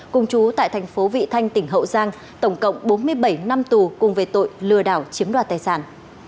cùng chú tại thành phố vị thanh tỉnh hậu giang tổng cộng bốn mươi bảy năm tù cùng về tội lừa đảo chiếm đoạt tài sản